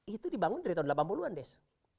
itu dibangun dari tahun delapan puluh an des